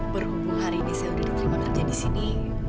berhubung hari ini saya sudah diterima kerja di sini